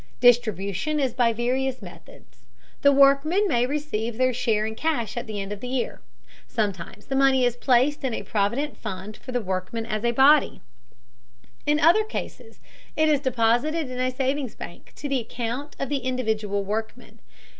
Distribution is by various methods. The workmen may receive their share in cash at the end of the year. Sometimes the money is placed in a provident fund for the workmen as a body; in other cases it is deposited in savings banks to the account of the individual workmen.